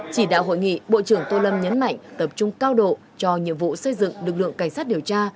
chỉ đạo hội nghị bộ trưởng tô lâm nhấn mạnh tập trung cao độ cho nhiệm vụ xây dựng lực lượng cảnh sát điều tra